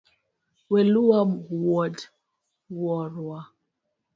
Weluwa wuod wuorwa.